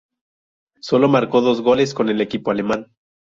Sólo marcó dos goles con el equipo alemán.